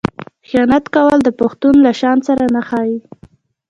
خیانت کول د پښتون له شان سره نه ښايي.